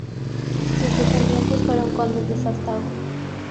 Sus descendientes fueron condes de Sástago.